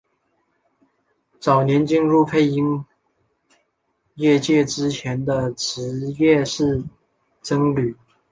早年进入配音业界之前的职业是僧侣。